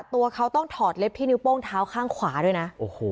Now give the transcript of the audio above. ตัวเขาต้องถอดเล็บที่นิ้วโป้งเท้าข้างขวาด้วยนะ